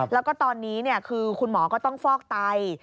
แล้วก็ตอนนี้คือคุณหมอก็ต้องฟอกไต